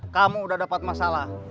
kamu udah dapat masalah